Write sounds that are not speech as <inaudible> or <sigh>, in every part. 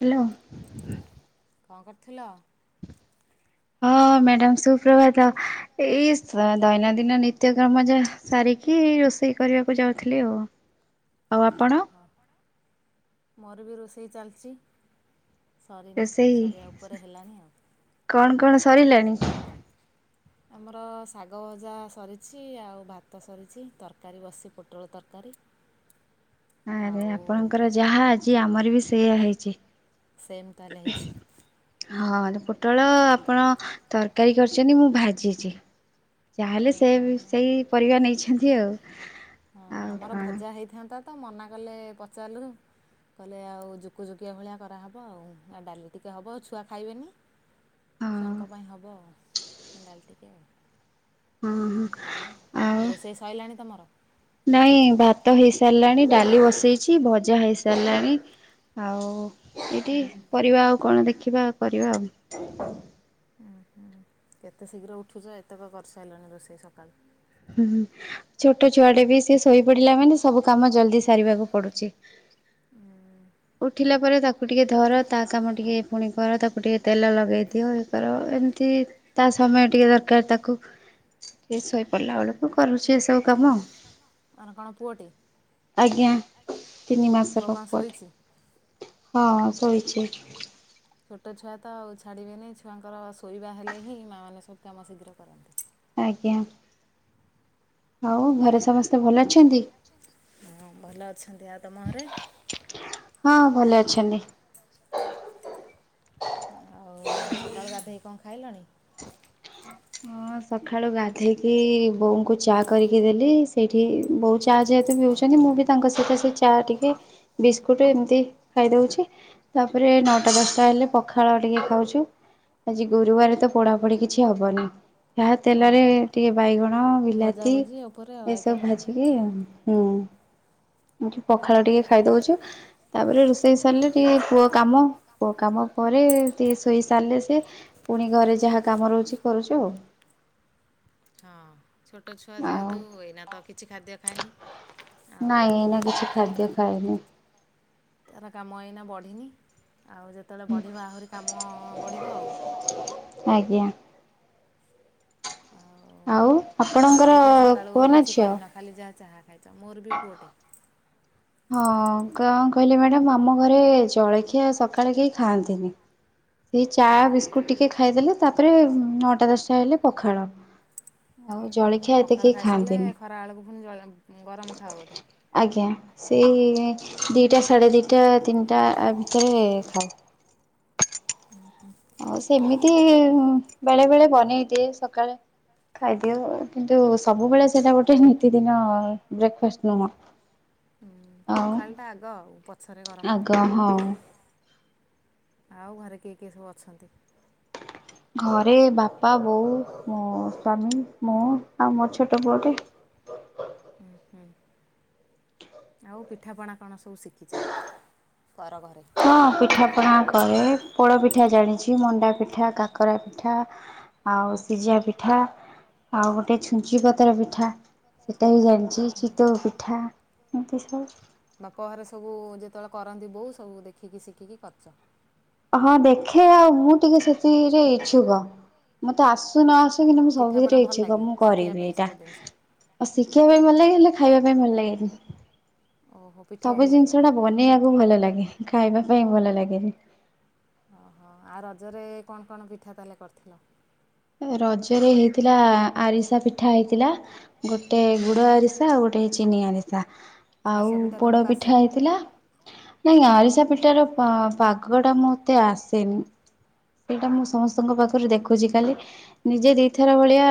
Hello କଣ କରୁଥିଲ? ହଁ ମ୍ୟାଡ଼ାମ ସୁପ୍ରଭାତ। ଏଇ ଦୈନନ୍ଦିନ ନିତ୍ୟ କର୍ମ ଯାହା ସାରିକି, ରୋଷେଇ କରିବାକୁ ଯାଉଥିଲି ଆଉ। ଓହୋ। ମୋର ବି ରୋଷେଇ ଚାଲିଚି। ସରିନି, ସରିଆ ଉପରେ ହେଲାଣି ଆଉ। ଆମର ଶାଗ ଭଜା ସରିଛି ଆଉ ଭାତ ସରିଛି, ତରକାରୀ ବସିଚି ପୋଟଳ ତରକାରୀ। ଆରେ ଆପଣଙ୍କର ଯାହା, ଆଜି ଆମର ବି ସେଇଆ ହେଇଛି। ସେମ୍ ତାହେଲେ ହେଇଛି। ହଁ, ଆଉ ଗୋଟେ ପୋଟଳ ଆପଣ ତରକାରୀ କରିଚନ୍ତି, ମୁଁ ଭାଜିଛି। ଯାହାହେଲେ ସେ ବି ସେଇ ପରିବା ନେଇଛନ୍ତି ଆଉ। ହଁ ଆମର ଭଜା ହେଇଥାନ୍ତା ତ ମନା କଲେ ପଚାରିଲୁ। କହିଲେ ଆଉ ଜୁକୁଜୁକିଆ ଭଳିଆ କରାହବ ଆଉ। ଆ ଡାଲି ଟିକେ ହେବ ଛୁଆ ଖାଇବେନି। ଛୁଆଙ୍କ ପାଇଁ ହବ ଆଉ ଡାଲି ଟିକେ ଆଉ। ହଁ ହଁ। ଆଉ ରୋଷେଇ ସଇଲାଣି ତମର? ନାଇଁ ଭାତ ହେଇସାରିଲାଣି ଡାଲି ବସେଇଛି, ଭଜା ହେଇସାରିଲାଣି। ଆଉ ଏତିକି ପରିବା ଆଉ କଣ ଦେଖିବା କରିବା ଆଉ। ଉଁ ହୁଁ। କେତେ ଶୀଘ୍ର ଉଠୁଛ ଏତେକ କରିସାରିଲାଣି ରୋଷେଇ ସକାଳୁ। ହୁଁ, ହୁଁ। ଛୋଟ ଛୁଆଟେ ବି ସେ ଶୋଇପଡ଼ିଲା ମାନେ ସବୁ କାମ ଜଲଦି ସାରିବାକୁ ପଡୁଛି। ହୁଁ। ଉଠିଲା ପରେ ତାକୁ ଟିକେ ଧର, ତା କାମ ଟିକେ ପୁଣି କର, ତାକୁ ଟିକେ ତେଲ ଲଗେଇ ଦିଅ ଇଏ କର ଏମତି ତା ସମୟ ଟିକେ ଦରକାର ତାକୁ ଟିକେ ଶୋଇ ପଡ଼ିଲା ବେଳକୁ କରୁଛି ଏସବୁ କାମ ଆଉ। ଆଜ୍ଞା। ତିନି ମାସର ପୁଅଟେ। ହଁ, ଶୋଇଛି। ଛୋଟଛୁଆ ତ ଆଉ ଛାଡ଼ିବେନେଇ, ଛୁଆଙ୍କର ଶୋଇବା ହେଲେ ହିଁ, ମାଆମାନେ ସବୁ କାମ ଶୀଘ୍ର କରନ୍ତି। ଆଜ୍ଞା। ଆଉ ଘରେ ସମସ୍ତେ ଭଲ ଅଛନ୍ତି? ହଁ ଭଲ ଅଛନ୍ତି। ଆଉ ତମ ଘରେ? ହଁ ଭଲ ଅଛନ୍ତି। ଆଉ ସକାଳୁ ଗାଧେଇକି କଣ ଖାଇଲଣି? ହଁ ସଖାଳୁ ଗାଧେଇକି ବୋଉଙ୍କୁ ଚା କରିକି ଦେଲି, ସେଇଠି ବୋଉ ଚା ଯେହେତୁ ପିଉଛନ୍ତି ମୁଁ ବି ତାଙ୍କ ସହିତ ସେ ଚା ଟିକେ, ବିସ୍କୁଟ, ଏମିତି ଖାଇଦଉଛି‌ ତାପରେ ନଅଟା ଦଶଟା ହେଲେ ପଖାଳ ଟିକେ ଖାଉଛୁ। ଆଜି ଗୁରୁବାର ତ ପୋଡ଼ାପୋଡ଼ି କିଛି ହବନି। ଯାହା ତେଲରେ ଟିକେ ବାଇଗଣ, ବିଲାତି ଏସବୁ ଭାଜିକି ହୁଁ, ପଖାଳ ଟିକେ ଖାଇଦଉଛୁ ତାପରେ ରୋଷେଇ ସାରିଲେ ଟିକେ ପୁଅ କାମ, ପୁଅ କାମ ପରେ ଟିକେ ଶୋଇ ସାରିଲେ ସିଏ ପୁଣି ଘରେ ଯାହା କାମ ରହୁଛି, କରୁଛୁ ଆଉ। ହଁ, ଛୋଟଛୁଆ ଯେହେତୁ ଏଇନା ତ କିଛି ଖାଦ୍ୟ ଖାଇନି ନାଇଁ ଏଇନା କିଛି ଖାଦ୍ୟ ଖାଇନି। ତାର କାମ ଏଇନା ବଢ଼ିନି ଆଉ ଯେତେବେଳେ ବଢ଼ିବ ଆହୁରି କାମ ବଢ଼ିବ ଆଉ। ଆଜ୍ଞା। ଆଉ <unintelligible> ଜଳଖିଆ ସକାଳୁ କିଛି କରିନ, ଖାଲି ଯାହା ଚାହା ଖାଇଛ? ମୋର ବି ପୁଅଟେ। ହଁ। କଣ କହିଲେ ମ୍ୟାଡ଼ାମ, ଆମ ଘରେ ଜଳଖିଆ ସକାଳେ କେହି ଖାଆନ୍ତିନି। ସେଇ ଚା ବିସ୍କୁଟ ଟିକେ ଖାଇଦେଲେ, ତାପରେ ନଅଟା ଦଶଟା ହେଲେ ପଖାଳ। ଓହୋ। ପଖାଳ ଖାଇସାରିଲେ ଖରାବେଳକୁ ପୁଣି ଜଳ ଗରମ ଖାଅ ବୋଧେ? ଆଜ୍ଞା। ସେଇ ଦିଟା ସାଢ଼େ ଦିଟା ତିନଟା ଭିତରେ ଖାଉ। ଆଉ ସେମିତି-ଇ-ଇ-ଇ ବେଳେ ବେଳେ ବନେଇ ଦିଏ ସକାଳେ। ଖାଇଦିଏ କିନ୍ତୁ ସବୁବେଳେ ସେଇଟା ଗୋଟେ ନିତିଦିନ-ଅ-ଅ ବ୍ରେକ୍ ଫାଷ୍ଟ ନୁହଁ। ହୁଁ ପଖାଳ ଟା ଆଗ ଆଉ ପ ଆଗ ହଁ। ଆଉ ଘରେ କିଏ କିଏ ସବୁ ଅଛନ୍ତି? ଘରେ ବାପା, ବୋଉ, ମୋ ସ୍ୱାମୀ, ମୁଁ, ଆଉ ମୋ ଛୋଟ ପୁଅଟେ। ହୁଁ ହୁଁ। ଆଉ ପିଠାପଣା କଣ ସବୁ ଶିଖିଛ କର ଘରେ? ହଁ ପିଠାପଣା କରେ। ପୋଡ଼ପିଠା ଜାଣିଛି, ମଣ୍ଡା ପିଠା, କାକରା ପିଠା। ଆଉ ସିଝାପିଠା ଆଉ ଗୋଟେ ଛୁଞ୍ଚି ପତର ପିଠା ସେଟା ବି ଯା ଣିଛି ଚିତଉ ପିଠା ଏମିତି ସବୁ। ବାପ ଘରେ ସବୁ ଯେତେବେଳେ କରନ୍ତି ବୋଉ ସବୁ ଦେଖିକି ଶିଖିକି କରିଛ। ହଁ ଦେଖେ ଆଉ ମୁଁ ଟିକେ ସେଥିରେ ଇଛୁକ ମତେ ଆସୁ ନ ଆସୁ କିନ୍ତୁ ତାଙ୍କୁ ସବୁରେ ଇଛୁକ ମୁଁ କରିବି ଏଇଟା। ଆଉ ଶିଖିବା ପାଇଁ ଭଲ ଲାଗେ ହେଲେ ଖାଇବା ପାଇଁ ଭଲ ଲାଗେନି। ସବୁ ଜିନିଷ ଟା ବନେଇବାକୁ ଭଲ ଲାଗେ ଖାଇବା ପାଇଁ ଭଲ ଲାଗେନି। ଓହୋ ଆଉ ରଜରେ କ ଣ କଣ ପିଠା ତାହେଲେ କରିଥିଲ? ରଜରେ ହେଇଥିଲା ଆରିସା ପିଠା ହେଇଥିଲା। ଗୋଟେ ଗୁଡ ଆରିସା ଆଉ ଗୋଟେ ଚିନି ଆରିସା। ଆଉ-ଉ-ଉ ପୋଡ଼ ପିଠା ହେଇଥିଲା। ନାଇଁଁ ଆରିସା ପିଠାର ପା ପାଗ ଟା ମତେ ଆସେନି। ସେଇଟା ମୁଁ ସମସ୍ତଙ୍କ ପାଖରୁ ଦେଖୁଛି ଖାଲି ନିଜେ ଦି ଥର ଭଳିଆ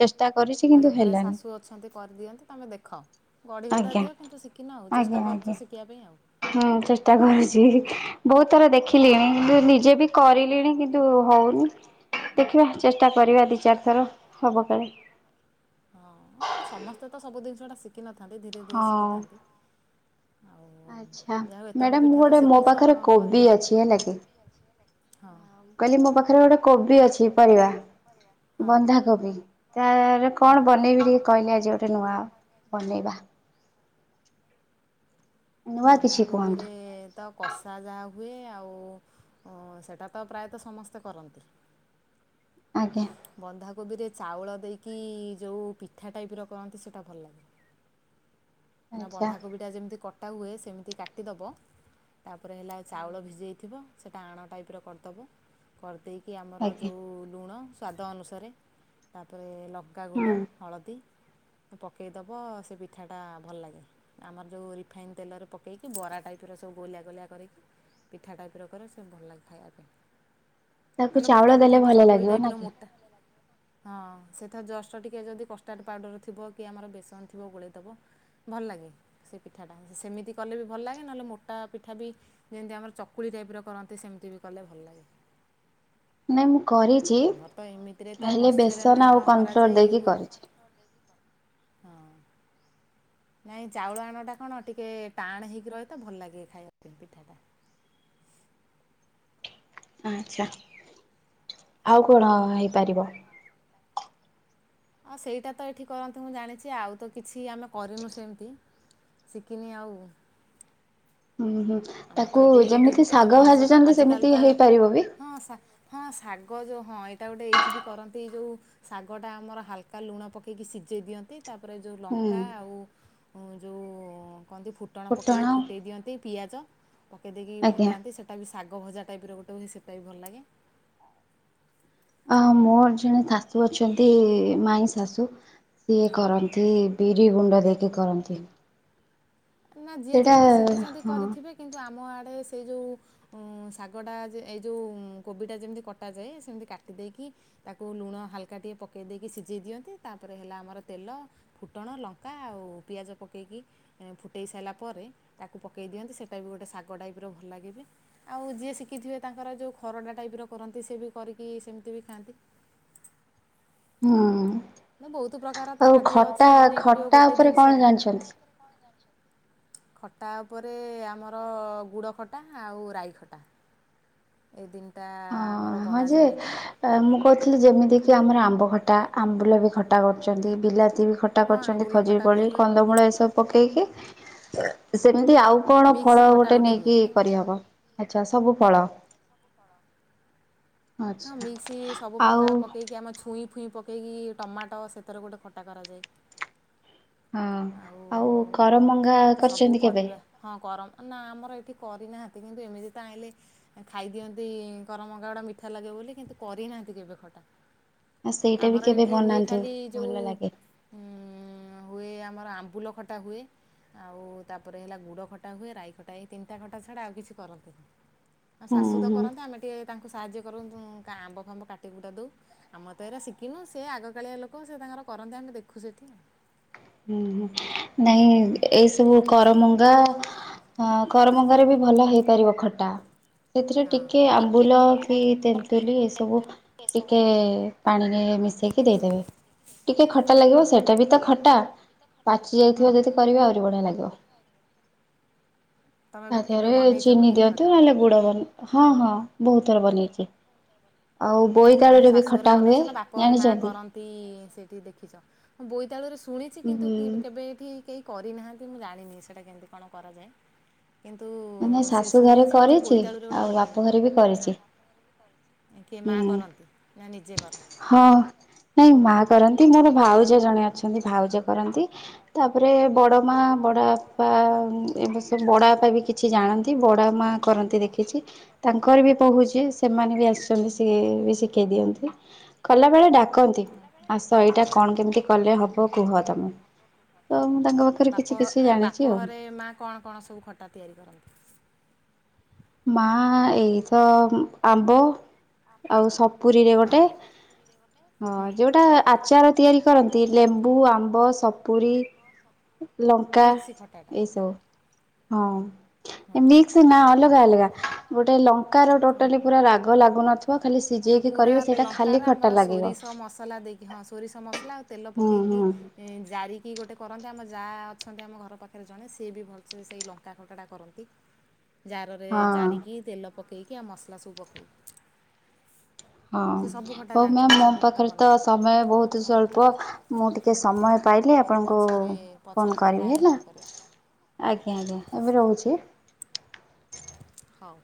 ଚେଷ୍ଟା କରିଛି। ତା ହେଲେ ଘରେ ଶାଶୁ ଅଛନ୍ତି କରିଦିଅନ୍ତି ତୁମେ ଦେଖ। ଗଢ଼ିଗୁଡ଼ା ଦିଏ କିନ୍ତୁ ଶିଖିନ ଆଉ ଚେଷ୍ଟା କରିଛ ଶିଖିବା ପାଇଁ ଆଉ। ହୁଁ ଚେଷ୍ଟା କରୁଛି। ବହୁତ ଥର ଦେଖିଲିଣି କିନ୍ତୁ ନିଜେ ବି କରିଲିଣି କିନ୍ତୁ ହଉନି ଦେଖିବା। ଚେଷ୍ଟା କରିବା ଦି ଚାରି ଥର ହବା ପାଇଁ। ହଁ-ଅ-ଅ ସମସ୍ତେ ତ ସବୁ ଜିନିଷଟା ଶିଖିନଥାନ୍ତି ଧୀରେ ଧୀରେ ଶିଖିଥାନ୍ତି। ଆଉ-ଉ-ଉ ଯାହା ହଉ ଏତକ ପିଠା ତ ଶିଖିଛ କରିପାର। ହଁ। କହିଲି ମୋ ପାଖରେ ଗୋଟେ କୋବି ଅଛି ପରିବା। ବନ୍ଧାକୋବି ତା-ଆ-ଆ-ଆର କଣ ବନେଇବି ଟିକେ କହିଲେ ଆଜି ଗୋଟେ ନୂଆ ବନେଇବା। ବନ୍ଧାକୋବିରେ-ଏ-ଏ ତ କଷା ଯାହା ହୁଏ ଆଉ ସେଇଟା ତ ପ୍ରାୟତଃ ସମସ୍ତେ କରନ୍ତି। ଆଜ୍ଞା। ବନ୍ଧାକୋବିରେ ଚାଉଳ ଦେଇକି-ଇ-ଇ ଯେଉଁ ପିଠା ଟାଇପ ର କରନ୍ତି ସେଇଟା ଭଲ ଲାଗେ। ମାନେ ବନ୍ଧାକୋବିଟା ଯେମିତି କଟା ହୁଏ ସେମିତି କାଟିଦବ ତାପରେ ହେଲା ଚାଉଳ ଭିଜେଇଥିବ ସେଇଟା ଆଣ ଟାଇପର କରିଦେବ। କରିଦେଇକି ଆମର ଯେଉଁ-ଉ-ଉ ଲୁଣ ସ୍ୱାଦ ଅନୁସାରେ ତାପରେ ଲ ଙ୍କା ଗୁଣ୍ଡ, ହଳଦୀ ପକେଇଦବ ସେ ପିଠାଟା ଭଲ ଲାଗେ। ଆମର ଯେଉଁ ରିଫାଇନ ତେଲରେ ପକେଇକି ବରା ଟାଇପ ର ସବୁ ଗୋଲିଆ ଗୋଲିଆ କରିକି ପିଠା ଟାଇପ ର କରେ ସେ ଭଲ ଲାଗେ ଖାଇବା ପାଇଁ। ନହେଲେ ମୋଟା ପିଠା ବି ଚକୁଳି ଟାଇପ ର ମୋ ଟା ହଁ ସେତ ଜଷ୍ଟ ଟିକେ ଯଦି କଷ୍ଟାର୍ଡ଼ ପାଉଡ଼ର ଥିବ କି ଆମର ବେସନ ଥିବ ଗୋଳେଇଦବ। ଭଲ ଲାଗେ ସେ ପିଠାଟା। ସେମିତି କଲେ ବି ଭଲ ଲାଗେ ନହେଲେ ମୋଟା ପିଠା ବି ଯେମିତି ଆମର ଚକୁଳି ଟାଇପ ର କରନ୍ତି ସେମିତି ବି କଲେ ଭଲ ଲାଗେ। ନାଇଁ ମୁଁ କରିଛି ହେଲେ ବେସନ ଆଉ କନଫ୍ଲୋର ଦେଇକି କରିଛି। ନାଇଁ ଚାଉଳ ଆଣଟା କଣ ଟିକେ ଟାଣ ହେଇକି ରହେ ତ ଭଲ ଲାଗେ ଖାଇବା ପାଇଁ ପିଠାଟା। ଆଚ୍ଛା ଆଉ କଣ ହେଇପାରିବ? ଆଉ ସେଇଟା ତ ଏଇଠି କରନ୍ତିୁ ମୁଁ ଜାଣିଛି ଆଉ ତ କିଛି ଆମେ କରିନୁ ସେମିତି। ଶିଖିନି ଆଉ। ହୁଁ ହ। ଆମର ତ ଏବେ ୟୁଟ୍ୟୁବ ତ ମଣିଷ ତ ଆଜିକାଲି ତ ହଁ ସା ହଁ ଶାଗ ଯୋଉ ହଁ ଏଇଟା ଗୋଟେ ଏଇଠି ବି କରନ୍ତି ଏଇ ଯୋଉ ଶାଗଟା ଆମର ହାଲକା ଲୁଣ ପକେଇକି ସିଜେଇ ଦିଅନ୍ତି। ତାପରେ ଯେଉଁ ଲଙ୍କା ଆଉ ଯେଉଁ କହନ୍ତି ଫୁଟଣ ପକାଇକି ଫୁଟେଇ ଦିଅନ୍ତି। ଏ ପିଆଜ ପକାଇ ଦେଇକି ଫୁଟାନ୍ତି ସେଇଟା ବି ଶାଗ ଭଜା ଟାଇପ ର ଗୋଟେ ହୁଏ ସେଟ ବି ଭଲ ଲାଗେ। ମୋର ଜଣେ ଶାଶୁ ଅଛନ୍ତି ମାଇଁ ଶାଶୁ ସିଏ କରନ୍ତି। ଏ ବିରି ଗୁଣ୍ଡ ଦେଇକି କରନ୍ତି। ନା ଯିଏ ଯେମିତି ଶିଖିଛନ୍ତି କରିଥିବେ। କିନ୍ତୁ ଆମ ଆଡ଼େ ସେଇ ଯୋଉ ଉଁ ଶାଗଟା ଏଇ ଯେଉ କୋବିଟା ଯେମିତି କଟାଯାଏ ସେମିତି କାଟି ଦେଇେଇକି ତାକୁ ଲୁଣ ହାଲକା ଟିକେ ପକାଇ ଦେଇକି ସିଝେଇ ଦିଅନ୍ତି। ତାପରେ ହେଲା ଆମର ତେଲ ଫୁଟଣ ଲଙ୍କା ଆଉ ପିଆଜ ପକାଇକି ଫୁଟାଇ ସାରିଲା ପରେ ତାକୁ ପକାଇ ଦିଅନ୍ତି ସେଇଟା ବି ଗୋଟେ ଶାଗ ଟାଇପର ଭଲ ଲାଗେ ବି। ଆଉ ଯିଏ ଶିଖିଥିବେ ତାଙ୍କର ଯେଉଁ ଖରଡ଼ା ଟାଇପ ର କରନ୍ତି ସିଏ ବି କରିକି ସେମିତି ବି ଖାଆନ୍ତି। ହୁଁ। ବହୁତ ପ୍ରକାର ତ ଖାଦ୍ୟ ଅଛି ବନେଇ ପାରିବ ଗୋଟେ ଜିନିଷରେ। ଖଟା ଉପରେ ଆମର ଗୁଡ଼ ଖଟା ଆଉ ରାଇ ଖଟା। ଏଇ ଦିନଟା ହଁ ହଁ ଯେ ମୁଁ କହୁଥିଲି ଯେମିତିକି ଆମର ଆମ୍ବ ଖଟା ଆମ୍ବୁଲ ବି ଖଟା କରୁଛନ୍ତି ବିଲାତି ବି ଖଟା କଟା କରିଛନ୍ତି ଖଜିୁର କୋଳି କନ୍ଦମୂଳ ଏସବୁ ପକେଇକି। ସେମିତି ଆଉ କଣ ଫଳ ଗୋଟେ ନେଇକି କରିହବ? ଆଛା ସବୁ ଫଳ। ହଁ ମିକ୍ସି ସବୁ ପ୍ରକାର ପକେଇକି ଆମେ ଛୁଇଁ ଫୁଇଁ ପକେ ଉକେଇକି ଟମାଟୋ ସେଥିରେ ଗୋଟେ ଖଟା କରାଯାଏ। ହଁ ଆଉ କରମଙ୍ଗା କରିଛନ୍ତି କେବେ? ହଁ କରମ ନା ଆମର ଏଇଠି କରିନାହାନ୍ତି କିନ୍ତୁ ଏମିତି ତ ଆଇଁଲେ ଖାଇଦିଅନ୍ତି କରମଙ୍ଗା ଗୁଡ଼ା ମିଠା ଲାଗେ ବୋଲି କିନ୍ତୁ କରିନାହାଁନ୍ତି କେବେ ଖଟା। ଆମର ଏଠି ହୁଏ ଖାଲି ଯୋଉ ଉମ ହୁଏ ଆ ଆମର ଆମ୍ବୁଲ ଖଟା ହୁଏ। ଆଉ ତାପରେ ହେଲା ଗୁଡ଼ ଖଟା ହୁଏ ରାଇ ଖଟା ଏଇ ତିନିଟା ଖଟା ଛାଡ଼ା ଆଉ କିଛି କରନ୍ତିୁନି। ଆମ ଶାଶୁ ତ କରନ୍ତି ଆମେ ଟିକେ ତାଙ୍କୁ ସାହାଯ୍ୟ କରୁୁ ଇନ୍ତି କା ଆମ୍ବ ଫାମ୍ବ କାଟିକୁଟା ଦଉ ଆମର ତ ଏଇରା ଶିକିନୁ ସେ ଆଗକାଳିଆ ଲୋକ ସେ ତାଙ୍କର କରନ୍ତି ଆମେ ଦେଖୁ ସେଠି ଆଉ ହୁଁ ନାଇଁ ଏଇ ସବୁ କରମଙ୍ଗା ଆ କରମଙ୍ଗାରେ ବି ଭଲ ହେଇପାରିବ ଖଟା ସେଥିରେ ଟିକେ ଆମ୍ବୁଲ କି ତେନ୍ତୁଲି ଏସବୁ ଟିକେ ପାଣିରେ ମିଶେଇକି ଦେଇଦେବେ ଟିକେ ଖଟା ଲାଗିବ ସେଇଟା ବି ତ ଖଟା ପାଚି ଯାଇଥିବ ଯଦି କରିବେ ଆହୁରି ବଢିଆ ଲାଗିବ ତା ଦେହରେ ଚିନି ଦିଅନ୍ତୁ ନହେଲେ ଗୁଡ ବନ ହଁ ହଁ ବହୁତଥର ବନେଇଚି ଆଉ ବୋଇତାଳୁରେ ବି ଖଟା ହୁଏ ଜାଣିଚନ୍ତି <unintelligible> ସେଠି ଦେଖିଚ ମୁଁ ବୋଇତାଳୁରେ ଶୁଣିଚି କିନ୍ତୁ କି କେବେ ଏଠି କେଇ କରିନାହାନ୍ତି ମୁଁ ଜାଣିନି ସେଇଟା କେମିତି କଣ କରାଯାଏ କିନ୍ତୁ ସେ ଶୁଣିଚି ଯେ ବୋଇତାଳୁରେ ଗୋଟେ ଖଟା ହୁଏ ହଁ କିଏ ମା କରନ୍ତି ନା ନିଜେ କର ହଁ କି ମୋର ଭାଉଜ ଜଣେ ଅଛନ୍ତି ଭାଉଜ କରନ୍ତି ତାପରେ ବଡମା ବଡଆପା ଉଁ ଏବେ ସେ ବଡଆପା ବି କି ଛି ଜାଣନ୍ତି ବଡ଼ାମା କରନ୍ତି ଦେଖିଛି ତାଙ୍କର ବି ପହୁ ସେମାନେ ବି ଆସିଚନ୍ତି ସିଏ ବି ଶିଖେଇ ଦିଅନ୍ତି। କଲାବେଳେ ଡାକନ୍ତି ଆସ ଏଇଟା କଣ କେମିତି କଲେ ହବ କୁହ ତମେ ତ ମୁଁ ତାଙ୍କ ପାଖରେ କିଛି କିଛି ଜାଣିଚି ଆଉ। କଣ କଣ ସବୁ ଖଟା ତିଆରି କରନ୍ତି? ମା ଏଇ ତ ଉଁ ଆମ୍ବ ଆଉ ସପୁରୀରେ ଗୋଟେ ହଁ ଯୋଉଟା ଆଚାର ତିଆରି କରନ୍ତି ଲେମ୍ବୁ ଆମ୍ବ ସପୁୁରୀ ଲଙ୍କା ଏଇସବୁ ହଁ ମିକ୍ସ ନା ଅଲଗା ଅଲଗା ଗୋଟେ ଲଙ୍କାର ଟୋଟାଲି ପୁରା ରାଗ ଲାଗୁନଥୁବ ଖାଲି ସିଜେଇକି କରିବେ ସେଟା ଖାଲି ଖ ମୋର ସୋରିଷ ମସଲା ଦେଇକି ହଁ ସୋରିଷ ମସଲା ଆଉ ତେଲ ପକେଇକି ଇଁ ଜାରିକି ଗୋଟେ କରନ୍ତି ଆମ ଯା ଅଛନ୍ତି ଆମ ଘର ପାଖରେ ଜଣେ ସିଏ ବି ଭଲସେ ସେଇ ଲଙ୍କା ଖଟାଟା କରନ୍ତି। ଜାରରେ ଜାରିକି ତେଲ ପକେଇକି ଆଉ ମସଲା ସବୁ ପକଉ ହଁ ହଉ ମ୍ୟାମ୍ ମୋ ପାଖରେ ତ ସମୟ ବୋହୁତ ସ୍ୱଳ୍ପ ମୁଁ ଟି କେ ସମୟ ପାଇଲେ ଆପଣଙ୍କୁ ଫୋନ୍ କରିବି ହେଲା ଆଜ୍ଞା ଆଜ୍ଞା। ଏବେ ରହୁଛି। ହଉ।